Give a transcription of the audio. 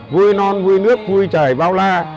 vui non vui nước vui trời bao la